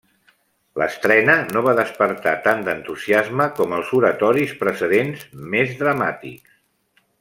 L'estrena no va despertar tant d'entusiasme com els oratoris precedents, més dramàtics.